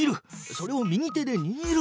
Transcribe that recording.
それを右手でにぎる。